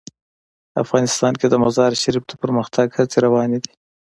افغانستان کې د مزارشریف د پرمختګ هڅې روانې دي.